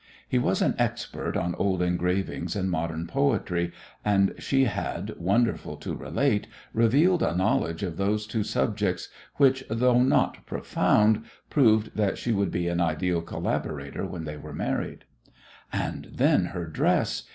He was an expert on old engravings and modern poetry, and she had, wonderful to relate, revealed a knowledge of those two subjects which, though not profound, proved that she would be an ideal collaborator when they were married. And then her dress!